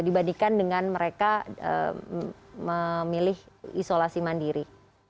dibandingkan dengan mereka memilih isolasi mandiri